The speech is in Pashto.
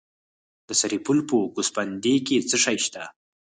د سرپل په ګوسفندي کې څه شی شته؟